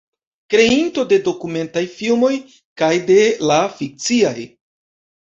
Kreinto de dokumentaj filmoj kaj de la fikciaj.